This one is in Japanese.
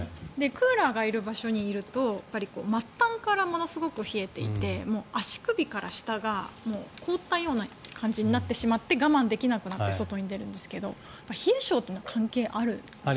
クーラーがある場所にいると末端からものすごく冷えていて足首から下がもう凍ったような感じになってしまって我慢できなくなって外に出るんですけど冷え性というのは関係あるんですか？